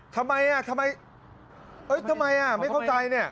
ทำไมอ่ะทำไมทำไมไม่เข้าใจเนี่ย